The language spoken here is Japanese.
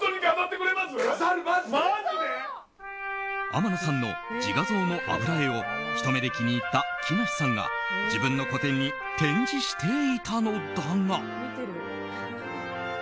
天野さんの自画像の油絵を一目で気に入った木梨さんが自分の個展に展示していたのだが。